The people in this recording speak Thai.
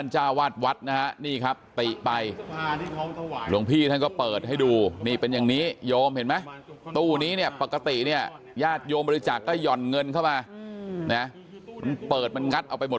หลวงพี่ก็เปิดให้ดูมีเป็นอย่างนี้โยมเห็นมะจบกับประกาศตี้เนี่ยอ่าดโยมบริจักษ์ก็หย่อนเงินเข้ามาเปิดไปงัดเอาไปหมด